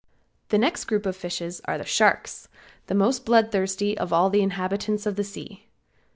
The next group of fishes are the sharks, the most blood thirsty of all the inhabitants of the sea.